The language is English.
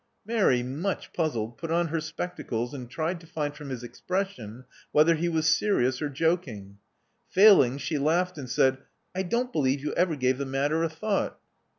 " Mary, much puzzled, put on her spectacles, and tried to find from his expression whether he was serious or joking. Failing, she laughed, and said, "I don't believe you ever gave the matter a thought."